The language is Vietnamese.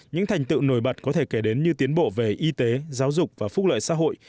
những thành tựu nổi bật có thể kể đến như tiến bộ về y tế giáo dục và phúc lợi xã hội